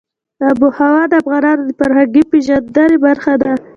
آب وهوا د افغانانو د فرهنګي پیژندنې برخه ده.